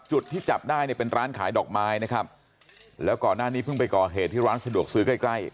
จุดที่จับได้เนี่ยเป็นร้านขายดอกไม้นะครับแล้วก่อนหน้านี้เพิ่งไปก่อเหตุที่ร้านสะดวกซื้อใกล้ใกล้